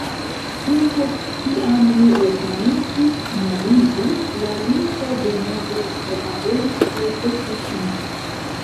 Tuj post kiam ni rekomencis moviĝi, la linko denove reaperis kaj sekvis nin.